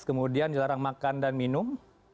kemudian dilarang makan dan minum